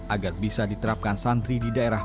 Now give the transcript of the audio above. agar bisa diterapkan santri di daerah